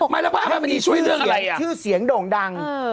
ไม่แล้วบ้านมันสวยเรื่องอะไรชื่อเสียงโด่งดัง